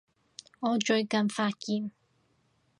我最近發現